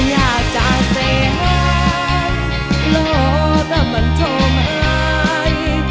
อยากจะเสียหักหลอกแต่มันทำหาย